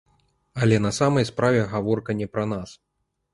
Але на самай справе, гаворка не пра нас.